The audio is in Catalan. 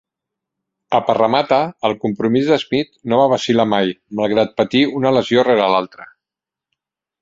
A Parramatta, el compromís de Smith no va vacil·lar mai, malgrat patir una lesió rere l'altra.